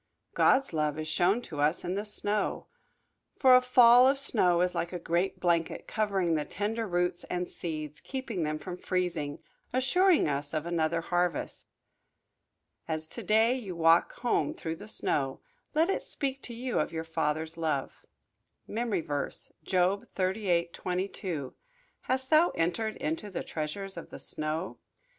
God's love is shown to us in the snow. For a fall of snow is like a great blanket, covering the tender roots and seeds, keeping them from freezing, assuring us of another harvest. As to day you walk home through the snow let it speak to you of your Father's love. MEMORY VERSE, Job 38: 22 "Hast thou entered into the treasures of the snow?"